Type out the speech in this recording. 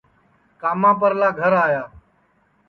کاما پرلا گھر آیا